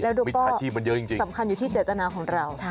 แล้วก็สำคัญอยู่ที่เจตนาของเรา